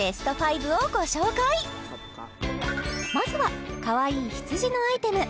まずはかわいい羊のアイテム